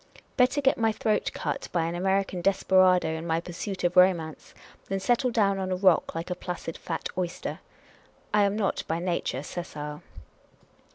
Better get my throat cut by an American desperado, in my pursuit of romance, than settle down on a rock like a placid fat oyster. I am not by nature sessile.